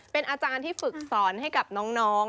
เป็นอาจารย์ที่ฝึกสอนให้กับน้อง